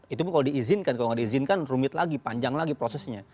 itu kalau diizinkan kalau nggak diizinkan rumit lagi panjang lagi prosesnya